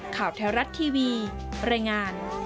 ข่าวแท้รัฐทีวีรายงาน